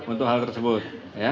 untuk hal tersebut